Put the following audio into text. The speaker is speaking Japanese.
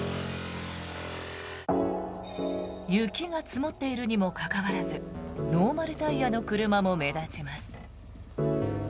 雪が積もっているにもかかわらずノーマルタイヤの車も目立ちます。